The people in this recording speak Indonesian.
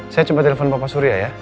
saya coba telepon bapak surya ya